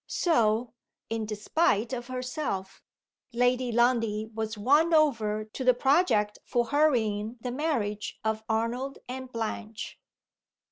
So, in despite of herself, Lady Lundie was won over to the project for hurrying the marriage of Arnold and Blanche.